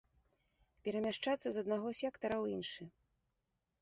Перамяшчацца з аднаго сектара ў іншы.